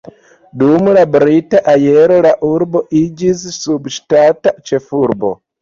Dum la brita erao la urbo iĝis subŝtata ĉefurbo.